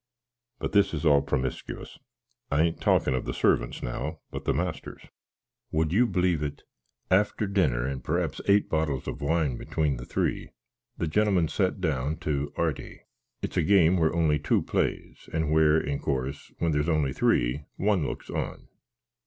But this is all promiscuous: I an't talkin of the survants now, but the masters. Would you bleeve it? After dinner (and praps 8 bottles of wine betwin the 3) the genlmn sat down to éarty. It's a game where only 2 plays, and where, in coarse, when there's ony 3, one looks on.